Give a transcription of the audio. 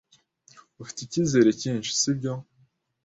Ufite icyizere cyinshi, sibyo?